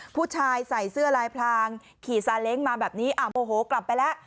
ผู้ชายใส่เสื้อลายพลางขี่ซาเล้งมาแบบนี้โมโหกลับไปแล้ว